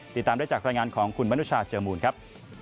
ติดตามได้จากรายงานของคุณมนุชาเจอมูลครับ